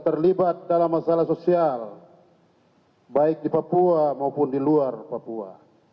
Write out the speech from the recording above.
terlibat dalam masalah sosial baik di papua maupun di luar papua